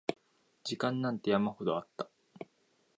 時間なんて山ほどあった